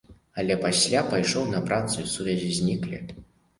Але пасля пайшоў на працу, і сувязі зніклі.